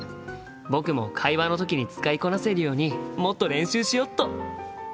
僕も会話の時に使いこなせるようにもっと練習しようっと！